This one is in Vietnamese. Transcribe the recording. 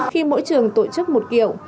khi mỗi trường tổ chức một kiểu